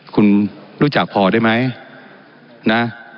คุณรู้จักพอได้ไหมนะ